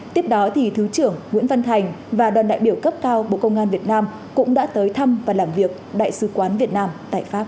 tiếp đó thứ trưởng nguyễn văn thành và đoàn đại biểu cấp cao bộ công an việt nam cũng đã tới thăm và làm việc đại sứ quán việt nam tại pháp